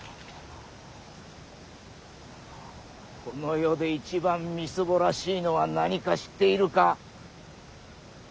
この世で一番みすぼらしいのは何か知っているか。